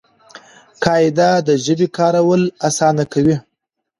قاعده د ژبي کارول آسانه کوي.